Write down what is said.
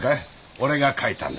俺が書いたんだ。